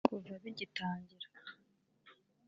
Kuva bigitangira